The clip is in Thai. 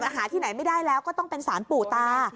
หาที่ไหนไม่ได้แล้วก็ต้องเป็นสารปู่ตา